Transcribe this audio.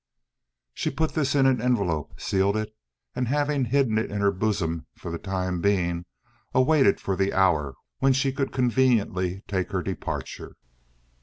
She put this in an envelope, sealed it, and, having hidden it in her bosom, for the time being, awaited the hour when she could conveniently take her departure.